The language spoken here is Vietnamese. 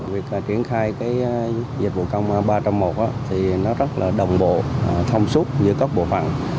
việc triển khai dịch vụ công ba trong một thì nó rất là đồng bộ thông suốt giữa các bộ phận